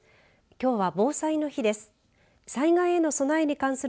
きょうは防災の日です。